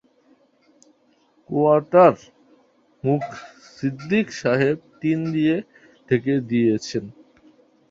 Quarter মুখ সিদ্দিক সাহেব টিন দিয়ে ঢেকে দিয়েছেন।